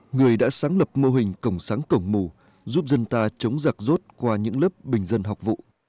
người đã sáng lập mô hình cổng sáng cổng mù giúp dân ta chống giặc rốt qua những lớp bình dân học vụ